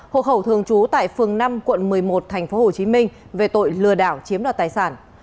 hộ khẩu thường trú tại phường năm quận một mươi một tp hcm về tội lừa đảo chiếm đoạt tài sản